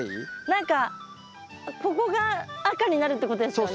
何かここが赤になるってことですよね。